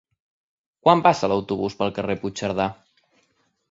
Quan passa l'autobús pel carrer Puigcerdà?